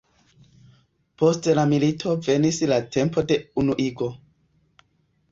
Post la milito venis la tempo de unuigo.